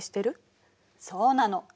そうなの。